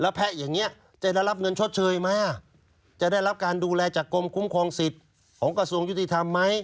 แพะอย่างนี้จะได้รับเงินชดเชยไหมจะได้รับการดูแลจากกรมคุ้มครองสิทธิ์ของกระทรวงยุติธรรมไหม